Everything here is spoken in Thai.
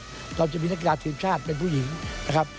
เรานาคต์จะมีนาคตฟินชาติเป็นผู้หญิงนะครับ